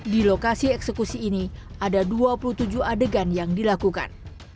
di lokasi eksekusi ini ada dua puluh tujuh adegan yang dilakukan